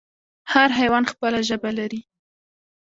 هر حیوان خپله ژبه لري